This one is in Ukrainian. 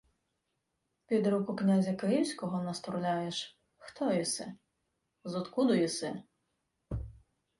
— Під руку князя київського нас турляєш? Хто єси? Зодкуду єси?.